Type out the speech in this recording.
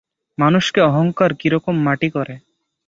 মানুষকে অহংকার কিরকম মাটি করে!